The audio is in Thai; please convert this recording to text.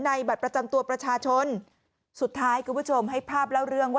ในบัตรประจำตัวประชาชนสุดท้ายกุบชมให้ภาพเล่าเรื่องแล้ว